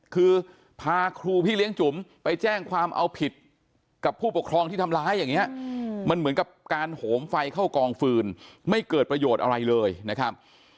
คือพาครูพี่เลี้ยงจุ๋มไปแจ้งความเอาผิดกับผู้ปกครองที่ทำร้ายอย่างนี้มันเหมือนกับการโหมไฟเข้ากองฟืนไม่เกิดประโยชน์อะไรเลยนะครับ